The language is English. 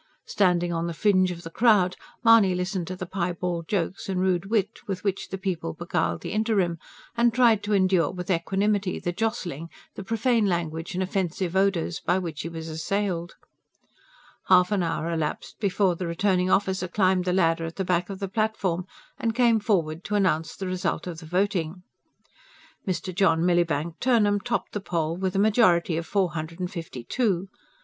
Standing on the fringe of the crowd, Mahony listened to the piebald jokes and rude wit with which the people beguiled the interim; and tried to endure with equanimity the jostling, the profane language and offensive odours, by which he was assailed. Half an hour elapsed before the returning officer climbed the ladder at the back of the platform, and came forward to announce the result of the voting: Mr. John Millibank Turnham topped the poll with a majority of four hundred and fifty two.